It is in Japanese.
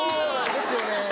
ですよね